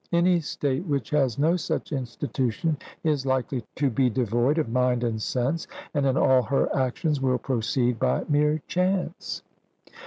Any state which has no such institution is likely to be devoid of mind and sense, and in all her actions will proceed by mere chance.